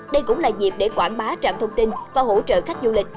đây cũng là dịp để quảng bá trạm thông tin và hỗ trợ khách du lịch